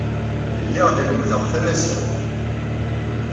Lliɣ la lemmdeɣ tamaziɣt.